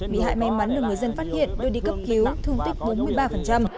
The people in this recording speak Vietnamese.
bị hại may mắn được người dân phát hiện đưa đi cấp cứu thương tích bốn mươi ba